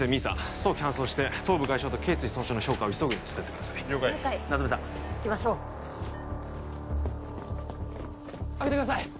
早期搬送して頭部外傷と頸椎損傷の評価を急ぐように伝えてください夏梅さん行きましょう開けてください